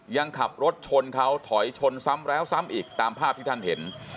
ยังขับรถชนเขาถอยชนซ้ำแล้วซ้ำอีกตามภาพที่ท่านเห็น